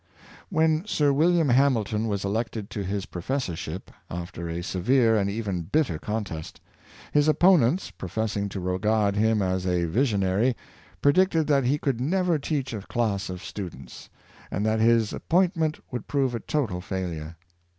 When Sir William Hamilton was elected to his pro fessorship, after a severe and even bitter contest, his opponents, professing to regard him as a visionary, pre dicted that he could never teach a class of students, and that his appointment would prove a total failure.